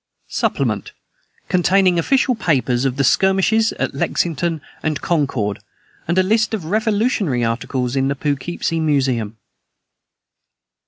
] SUPPLEMENT, CONTAINING OFFICIAL PAPERS ON THE SKIRMISHES AT LEXINGTON AND CONCORD, AND A LIST OF REVOLUTIONARY ARTICLES IN THE POUGHKEEPSIE MUSEUM.